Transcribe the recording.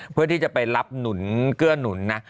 เพื่อที่จะไปรับหนุนเกื้อหนุนนะ